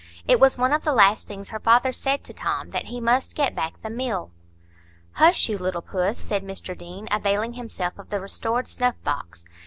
It was one of the last things her father said to Tom, that he must get back the mill." "Hush, you little puss," said Mr Deane, availing himself of the restored snuff box.